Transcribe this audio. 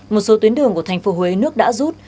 một số tuyến đường của thành phố huế nước đã rút